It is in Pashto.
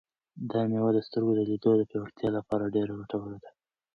دا مېوه د سترګو د لید د پیاوړتیا لپاره ډېره ګټوره ده.